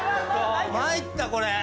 参ったこれ。